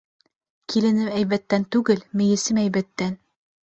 Киленем әйбәттән түгел, мейесем әйбәттән.